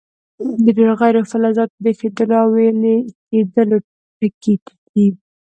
د ډیرو غیر فلزاتو د ایشېدلو او ویلي کیدلو ټکي ټیټ دي.